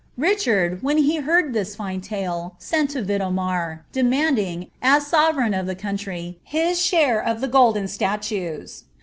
Riehanl, when he heard (his fine lale, sent to Vidomu, deinu>d ing, as sovereign of the cauntr)', his slwre of the golden statues.